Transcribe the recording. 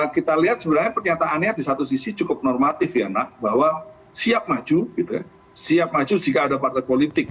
kita lihat sebenarnya pernyataannya di satu sisi cukup normatif ya nak bahwa siap maju siap maju jika ada partai politik